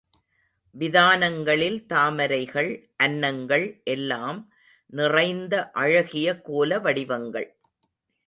விதானங்களில் தாமரைகள், அன்னங்கள் எல்லாம் நிறைந்த அழகிய கோல வடிவங்கள்.